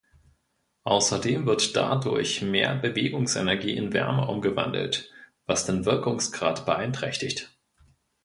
Außerdem wird dadurch mehr Bewegungsenergie in Wärme umgewandelt, was den Wirkungsgrad beeinträchtigt.